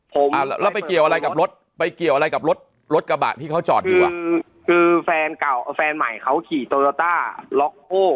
ผมอ่าแล้วไปเกี่ยวอะไรกับรถไปเกี่ยวอะไรกับรถรถกระบะที่เขาจอดอยู่อ่ะคือแฟนเก่าแฟนใหม่เขาขี่โตโยต้าล็อกโอ้